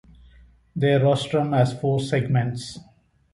Their rostrum has four segments.